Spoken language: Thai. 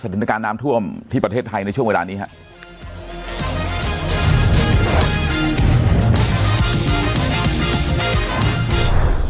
สถานการณ์น้ำท่วมที่ประเทศไทยในช่วงเวลานี้ครับ